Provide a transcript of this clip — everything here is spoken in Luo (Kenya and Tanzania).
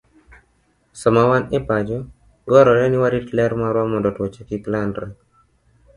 Sama wan e pacho, dwarore ni warit ler marwa mondo tuoche kik landre.